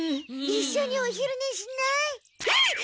いっしょにおひるねしない？